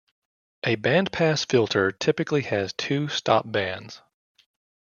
A bandpass filter typically has two stopbands.